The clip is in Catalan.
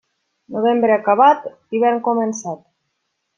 Novembre acabat, hivern començat.